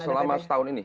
selama setahun ini